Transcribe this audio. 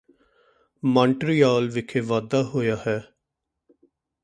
ਮਾਂਟਰੀਆਲ ਵਿਖੇ ਵਾਧਾ ਹੋਇਆ ਹੈ